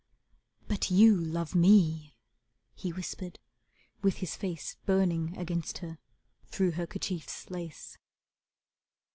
"But you love me," he whispered, with his face Burning against her through her kerchief's lace.